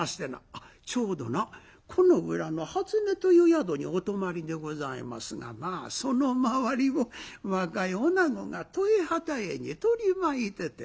あっちょうどなこの裏のはつねという宿にお泊まりでございますがまあその周りを若い女子が十重二十重に取り巻いてて。